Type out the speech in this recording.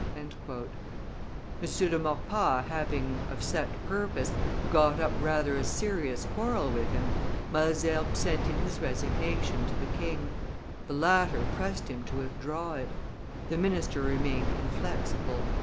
M. de Maurepas having, of set purpose, got up rather a serious quarrel with him, Malesherbes sent in his resignation to the king; the latter pressed him to withdraw it: the minister remained inflexible.